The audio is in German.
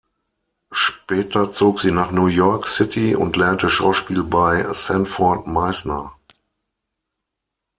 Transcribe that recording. Später zog sie nach New York City und lernte Schauspiel bei Sanford Meisner.